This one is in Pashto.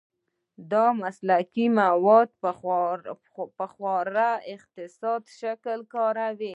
دا مسلک مواد په خورا اقتصادي شکل کاروي.